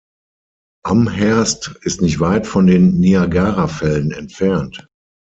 Amherst ist nicht weit von den Niagarafällen entfernt.